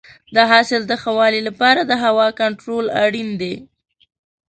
د حاصل د ښه والي لپاره د هوا کنټرول اړین دی.